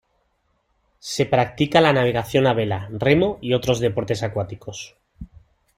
Se practica la navegación a vela, remo y otros deportes acuáticos.